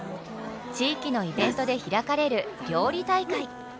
地域のイベントで開かれる料理大会。